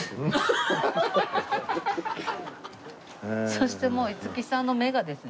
そしてもう五木さんの目がですね。